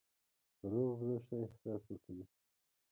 روغ زړه ښه احساس ورکوي.